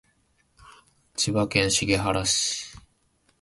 千葉県茂原市